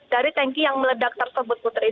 dari tanki yang meledak tersebut putri